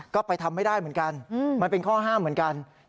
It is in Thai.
ก็ไปทำไม่ได้เหมือนกันมันเป็นข้อห้ามเหมือนกัน